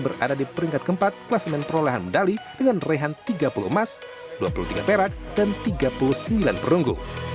berada di peringkat keempat kelas men perolehan medali dengan rehan tiga puluh emas dua puluh tiga perak dan tiga puluh sembilan perunggu